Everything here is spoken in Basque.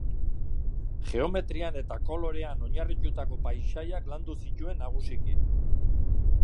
Geometrian eta kolorean oinarritutako paisaiak landu zituen nagusiki.